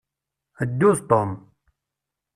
Ddu d Tom.